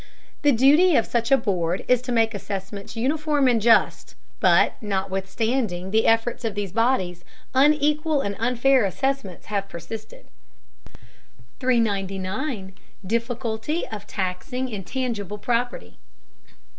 The duty of such a board is to make assessments uniform and just, but notwithstanding the efforts of these bodies, unequal and unfair assessments have persisted. 399. DIFFICULTY OF TAXING INTABGIBLE PROPERTY.